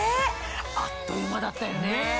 あっという間だったよね。